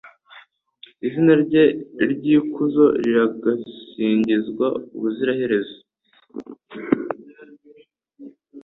Izina rye ry’ikuzo riragasingizwa ubuziraherezo